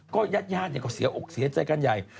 ญาติก็เสียอกเสียใจกันใหญ่